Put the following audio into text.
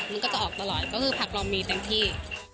มันก็จะออกตลอดก็คือผักเรามีเต็มที่